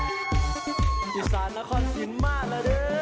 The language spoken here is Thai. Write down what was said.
อีสานนครสินทร์มากเลยเด้อ